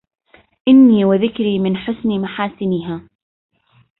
إني وذكري من حسن محاسنها